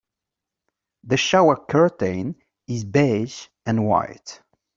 The shower curtain is beige and white.